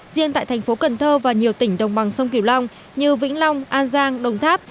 riêng tại thành phố cần thơ và nhiều tỉnh đồng bằng sông kiều long như vĩnh long an giang đồng tháp